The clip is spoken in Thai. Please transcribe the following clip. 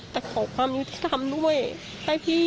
แต่ขอความยุติธรรมด้วย